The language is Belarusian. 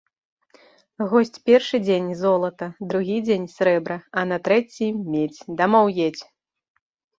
Госць першы дзень ‒ золата, другі дзень ‒ срэбра, а на трэці ‒ медзь, дамоў едзь!